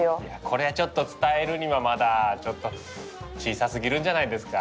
これはちょっと伝えるにはまだちょっと小さすぎるんじゃないですか？